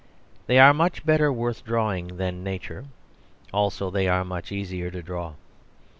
They are much better worth drawing than Nature; also they are much easier to draw.